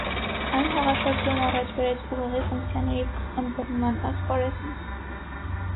Այն հեղաշրջում առաջ բերեց ուղեղի ֆունկցիաների ըմբռնման ասպարեզում։